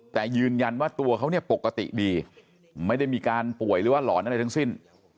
แต่ยืนยันว่าตัวเขาเนี่ยปกติดีไม่ได้มีการป่วยหรือว่าหลอนอะไรทั้งสิ้น